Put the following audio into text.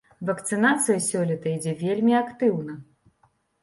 Вакцынацыя сёлета ідзе вельмі актыўна.